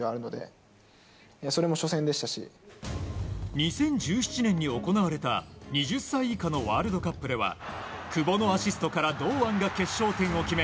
２０１７年に行われた２０歳以下のワールドカップでは久保のアシストから堂安が決勝点を決め